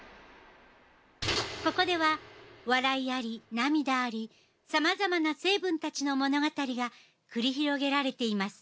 ここでは笑いあり、涙ありさまざまな成分たちの物語が繰り広げられています。